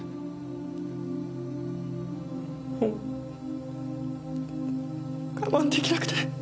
もう我慢出来なくて。